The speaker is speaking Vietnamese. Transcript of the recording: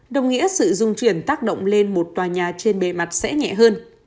đồng nghĩa sự dung chuyển tác động lên một tòa nhà trên bề mặt sẽ nhẹ hơn